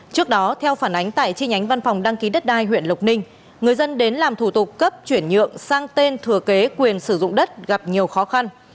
trước đó theo phản ánh tại chi nhánh văn phòng đăng ký đất đai huyện lộc ninh người dân đến làm thủ tục cấp chuyển nhượng sang tên thừa kế quyền sử dụng đất gặp nhiều khó khăn